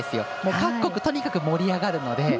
各国とにかく盛り上がるので。